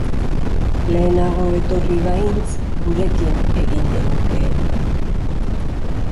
Lehenago etorri bahintz gurekin eginen hukeen.